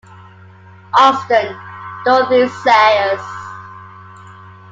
Austin, Dorothy Sayers.